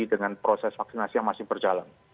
dengan proses vaksinasi yang masih berjalan